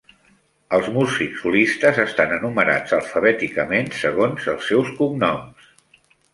Els músics solistes estan enumerats alfabèticament segons els seus cognoms.